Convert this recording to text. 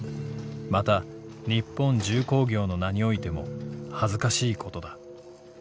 又日本重工業の名に於いても恥ずかしいことだ。